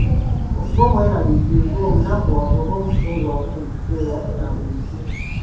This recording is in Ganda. Okuba omweraliikirivu, omunakuwavu oba omusunguwavu buli kiseera kya bulijjo.